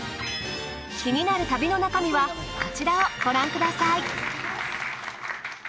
気になる旅の中身はこちらをご覧ください